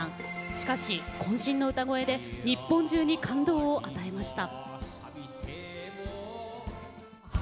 しかし、こん身の歌声で日本中に感動を与えました。